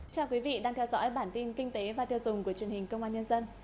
chào quý vị đang theo dõi bản tin kinh tế và tiêu dùng của truyền hình công an nhân dân